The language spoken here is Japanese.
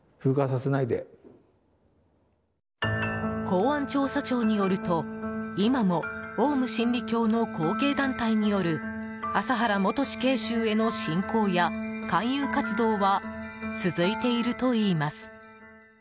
公安調査庁によると今もオウム真理教の後継団体による麻原元死刑囚への信仰や勧誘活動は続いているといいます。